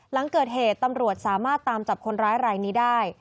หลังเกิดเหตุตำรวจสามารถตามจับคนร้ายรายนี้ได้